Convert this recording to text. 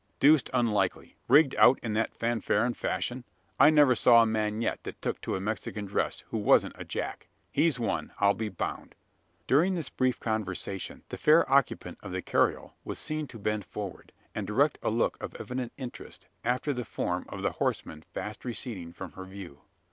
Deuced unlikely: rigged out in that fanfaron fashion. I never saw a man yet, that took to a Mexican dress, who wasn't a Jack. He's one, I'll be bound." During this brief conversation, the fair occupant of the carriole was seen to bend forward; and direct a look of evident interest, after the form of the horseman fast receding from her view.